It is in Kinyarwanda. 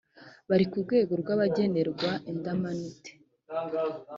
bari ku rwego rwa bagenerwa indamunite